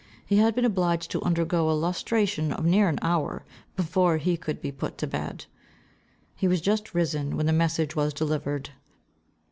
He had been obliged to undergo a lustration of near an hour, before he could be put to bed. He was just risen, when the message was delivered.